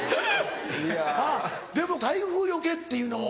あっでも台風よけっていうのも。